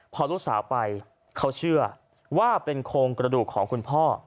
พอลูกสาวไปเขาเชื่อว่าเป็นโครงกระดูกของคุณพ่อ